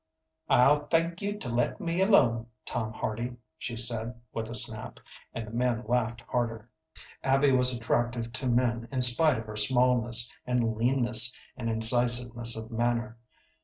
"I'll thank you to let me alone, Tom Hardy," she said, with a snap; and the men laughed harder. Abby was attractive to men in spite of her smallness and leanness and incisiveness of manner.